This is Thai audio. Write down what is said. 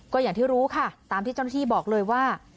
ก็อย่างที่รู้ค่ะตามที่จริงบอกเลยว่า